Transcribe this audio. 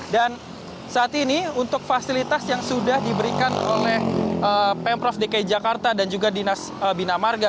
dan saat ini untuk fasilitas yang sudah diberikan oleh pemprov dki jakarta dan juga dinas bina marga